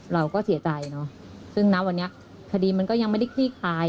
เราก็เสียใจเนาะซึ่งนำวันนี้ทฤดียังไม่ได้ภ่าย